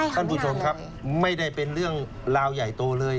ท่านผู้ชมครับไม่ได้เป็นเรื่องราวใหญ่โตเลย